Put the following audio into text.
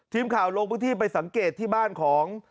ทีมข่าวลงพื้นที่ไปสังเกตที่บ้านของ